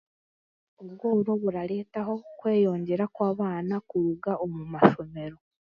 ... burareetaho okweyongyera kw'abaana kuruga omu mashomero.